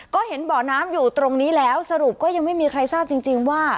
ก็เห็นบ่อน้ำอยู่ตรงนี้แล้วสรุปก็ยังไม่มีใครทราบจริงว่า